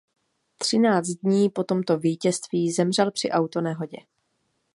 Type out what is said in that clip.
Třináct dní po tomto vítězství zemřel při autonehodě.